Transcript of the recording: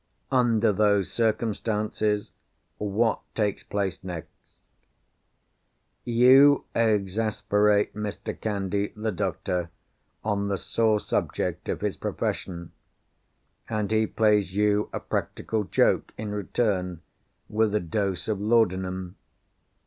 Under those circumstances, what takes place next? You exasperate Mr. Candy, the doctor, on the sore subject of his profession; and he plays you a practical joke, in return, with a dose of laudanum.